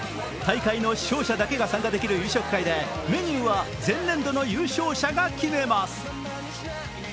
大会の勝者だけが参加できる夕食会で、メニューは前年度の優勝者が決めます。